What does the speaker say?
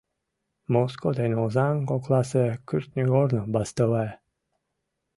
Моско ден Озаҥ кокласе кӱртньыгорно бастовая.